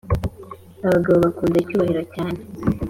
Abagabo bakunda icyubahiro cyane